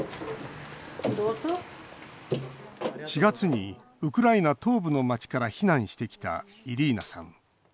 ４月にウクライナ東部の町から避難してきた、イリーナさん。